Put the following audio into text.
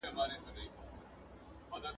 يوه د خوارۍ ژړله، بل ئې د خولې پېښې کولې.